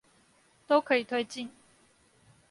都可以推進